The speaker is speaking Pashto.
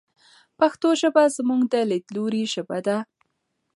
پښتو ژبه زموږ د لیدلوري ژبه ده.